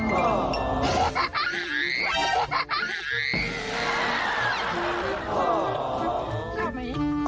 ชิบไปเร็ว